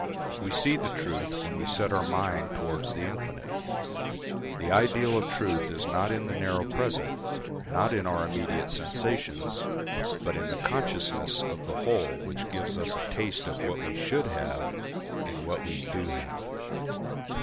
We see the truth when we set our mind towards the infinite. The ideal of truth is not in the narrow present, not in our immediate sensations, but in the consciousness of the whole which give us a taste of what we should have in what we do have.